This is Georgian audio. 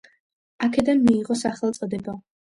აქედან მიიღო სახელწოდება.